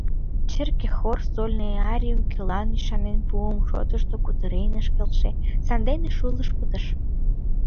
Черке хор сольный арийым кӧлан ӱшанен пуымо шотышто кутырен ыш келше, сандене шулыш, пытыш.